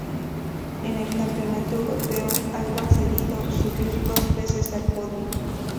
En el Campeonato Europeo ha conseguido subir dos veces al podio.